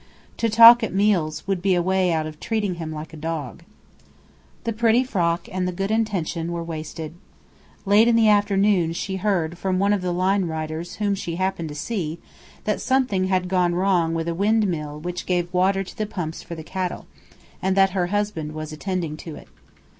To talk at meals would be a way out of "treating him like a dog." The pretty frock and the good intention were wasted. Late in the afternoon she heard from one of the line riders whom she happened to see that something had gone wrong with a windmill which gave water to the pumps for the cattle, and that her husband was attending to it.